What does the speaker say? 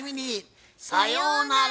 さようなら！